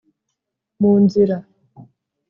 mu nzira